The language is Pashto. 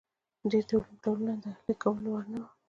ډېر ډولونه د اهلي کولو وړ نه وو.